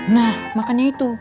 nah makanya itu